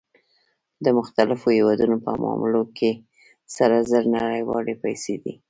د مختلفو هېوادونو په معاملو کې سره زر نړیوالې پیسې دي